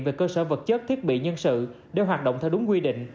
về cơ sở vật chất thiết bị nhân sự để hoạt động theo đúng quy định